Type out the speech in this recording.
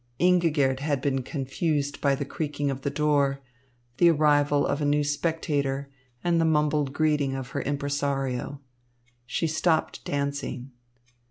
Ingigerd had been confused by the creaking of the door, the arrival of a new spectator, and the mumbled greeting of her impresario. She stopped dancing.